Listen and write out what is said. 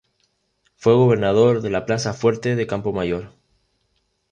Fue gobernador de la plaza-fuerte de Campo Maior.